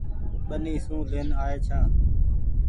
ٻني سون لين آئي ڇآن ۔